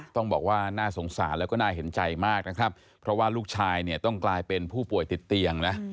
ต้องบอกว่าน่าสงสารแล้วก็น่าเห็นใจมากนะครับเพราะว่าลูกชายเนี่ยต้องกลายเป็นผู้ป่วยติดเตียงนะ